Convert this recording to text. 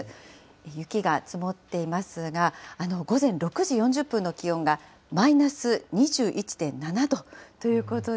雪が積もっていますが、午前６時４０分の気温がマイナス２１．７度ということで。